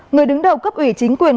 người đứng đầu cấp ủy chính quyền